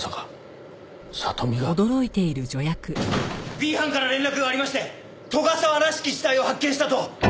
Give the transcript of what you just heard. Ｂ班から連絡がありまして斗ヶ沢らしき死体を発見したと。